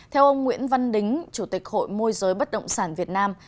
theo ông nguyễn văn đính chủ tịch hội môi giới bất động sản việt nam